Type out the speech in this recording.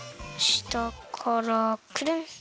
したからくるん！